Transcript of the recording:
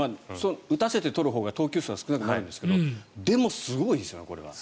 打たせて取るほうが投球数は少なくなるんですがでもすごいです、これは。